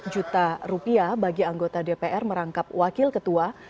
empat juta rupiah bagi anggota dpr merangkap wakil ketua